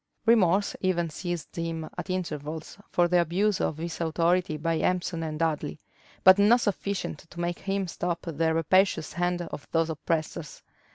Remorse even seized him at intervals for the abuse of his authority by Empson and Dudley; but not sufficient to make him stop the rapacious hand of those oppressors.